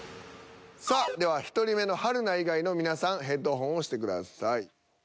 さあでは１人目の春菜以外の皆さんヘッドホンをしてください。